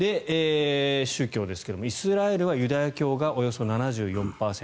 宗教ですが、イスラエルはユダヤ教がおよそ７４％